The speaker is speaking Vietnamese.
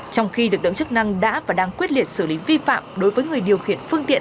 trong khi lực lượng chức năng đã và đang quyết liệt xử lý vi phạm đối với người điều khiển phương tiện